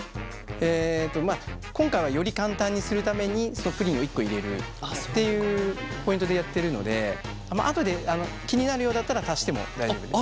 えっと今回はより簡単にするためにプリンを１個入れるっていうポイントでやってるので後で気になるようだったら足しても大丈夫です。